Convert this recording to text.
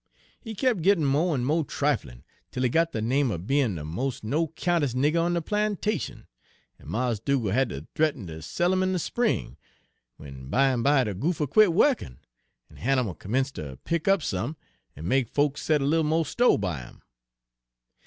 He kep' gittin' mo' en mo' triflin', 'tel he got de name er bein' de mos' no 'countes' nigger on de plantation, en Mars' Dugal' had ter th'eaten ter sell 'im in de spring, w'en bimeby de goopher quit wukkin', en Hannibal 'mence' ter pick up some en make folks set a little mo' sto' by 'im.